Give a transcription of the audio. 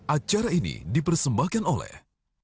acara ini dipersembahkan oleh